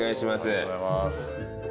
ありがとうございます